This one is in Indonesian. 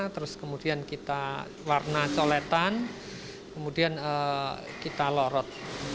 terus kemudian kita warna coletan kemudian kita lorot